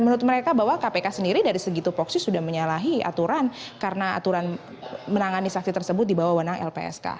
dan menurut mereka bahwa kpk sendiri dari segitu poksi sudah menyalahi aturan karena aturan menangani saksi tersebut dibawa wawonang lpsk